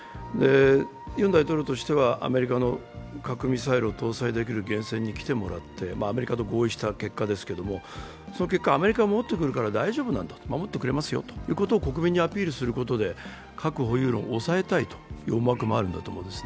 ユン大統領としてはアメリカの核ミサイルを搭載できる原潜に来てもらって、アメリカと合意した結果ですけれどその結果、アメリカが守ってくれるから大丈夫なんだと、国民にアピールすることで核保有論をおさえたい思惑もあるんだと思います。